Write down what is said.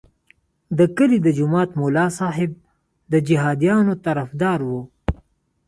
د کلي د جومات ملا صاحب د جهادیانو طرفدار وو.